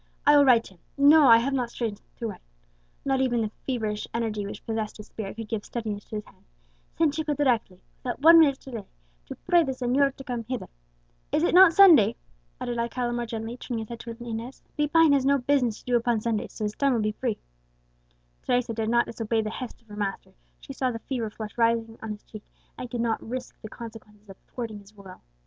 "I will write to him, no, I have not strength to write" (not even the feverish energy which possessed his spirit could give steadiness to his hand) "send Chico directly, without one minute's delay, to pray the señor to come hither. Is it not Sunday?" added Alcala more gently, turning his head towards Inez; "Lepine has no business to do upon Sundays, so his time will be free." Teresa dared not disobey the hest of her master; she saw the fever flush rising on his cheek, and could not risk the consequences of thwarting his will.